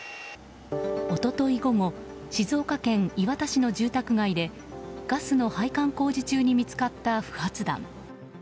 一昨日午後静岡県磐田市の住宅街でガスの配管工事中に見つかった不発弾。